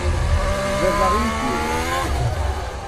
D baba iyi-d-yennan